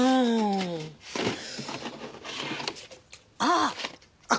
あっ！